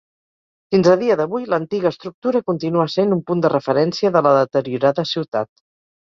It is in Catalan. Fins a dia d'avui, l'antiga estructura continua sent un punt de referència de la deteriorada ciutat.